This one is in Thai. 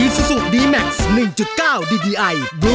สวัสดีครับ